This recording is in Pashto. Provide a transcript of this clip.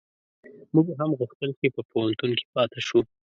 موږ هم غوښتل چي په پوهنتون کي پاته شو